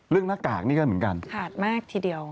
หน้ากากนี่ก็เหมือนกันขาดมากทีเดียว